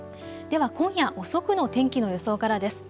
では今夜、遅くの天気の予想からです。